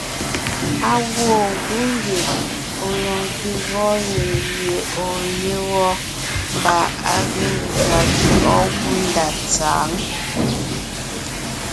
Á gwoon gú ngie ɔ̀ lɔɔn te gɔɔn nyìŋ gẅie ɔ̀ɔ yé wɔ́ mbà à ge gʉa jʉɔʼɔ gú ndá tsǎŋ.